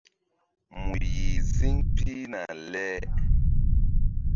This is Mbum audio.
Mu yih ziŋ pihna le.